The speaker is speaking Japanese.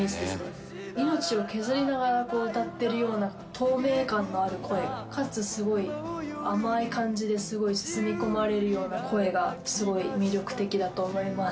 透明感のある声かつすごい甘い感じですごい包み込まれるような声がすごい魅力的だと思います。